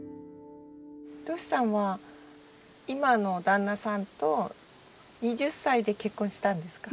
としさんは今の旦那さんと２０歳で結婚したんですか？